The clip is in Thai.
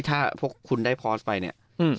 ถ้าพวกคุณได้พอสไปเนี่ย